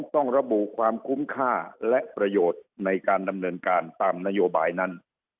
ต้องระบุความคุ้มค่าและประโยชน์ในการดำเนินการตามนโยบายนั้น